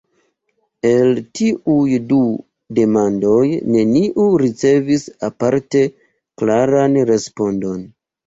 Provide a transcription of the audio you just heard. El tiuj du demandoj neniu ricevis aparte klaran respondon.